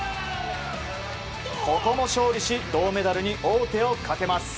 ここも勝利し銅メダルに王手をかけます。